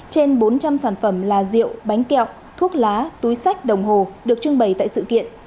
trên bốn trăm linh sản phẩm là rượu bánh kẹo thuốc lá túi sách đồng hồ được trưng bày tại sự kiện